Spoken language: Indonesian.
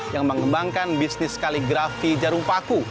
yang mengembangkan bisnis kaligrafi jarum paku